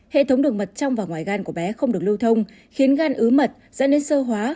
hệ thống đường mật trong và ngoài gan của bé không được lưu thông khiến gan ứ mật dẫn đến sơ hóa